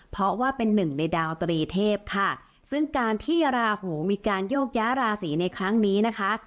เพราะว่าเป็นหนึ่งในดาวตรีเทพค่ะซึ่งการที่ราหูมีการโยกย้าราศีในครั้งนี้นะคะ